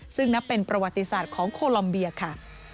ซึ่งนับเป็นประวัติศาสตร์ของโคลอมเบียค่ะ